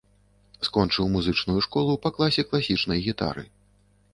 Скончыў музычную школу па класе класічнай гітары.